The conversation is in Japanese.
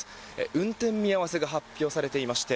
運転見合わせが発表されていまして